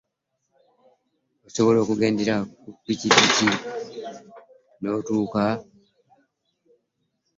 Osobola okugendera ku ppikipiki n'otuuka?